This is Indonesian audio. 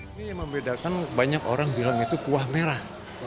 ini yang membedakan banyak orang bilang itu kuah merah